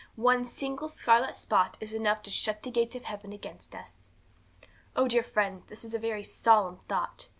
One single scarlet spot is enough to shut the gates of heaven against us. 'Oh, dear friends, this is a very solemn thought.